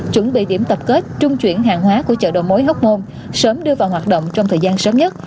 chuẩn bị điểm tập kết trung chuyển hàng hóa của chợ đầu mối hóc môn sớm đưa vào hoạt động trong thời gian sớm nhất